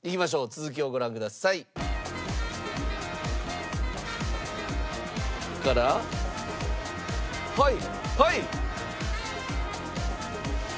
続きをご覧ください。